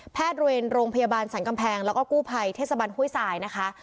แพทย์โรเมนโรงพยาบาลสังกำแพงแล้วก็กู้ภัยเทศบรรณห้วยซายนะคะ